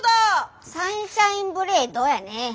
サンシャインブレードやね。